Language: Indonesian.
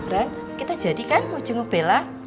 ren kita jadi kan mau jenguk bella